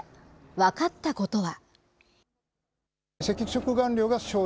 分かったことは。